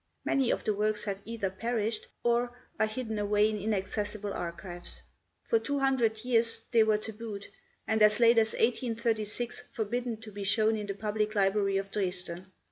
Many of the works have either perished or are hidden away in inaccessible archives. For two hundred years they were tabooed, and as late as 1836 forbidden to be shown in the public library of Dresden.